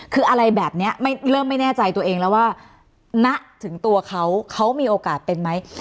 คืออะไรแบบนี้เริ่มไม่แน่ใจตัวเองแล้วว่าณถึงตัวเขาเขามีโอกาสเป็นไหม